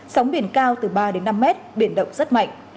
sóng biển cao từ ba đến năm mét biển động rất mạnh